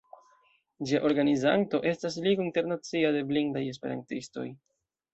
Ĝia organizanto estas Ligo Internacia de Blindaj Esperantistoj.